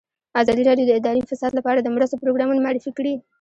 ازادي راډیو د اداري فساد لپاره د مرستو پروګرامونه معرفي کړي.